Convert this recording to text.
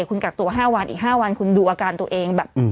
คุณกักตัว๕วันอีก๕วันคุณดูอาการตัวเองแบบ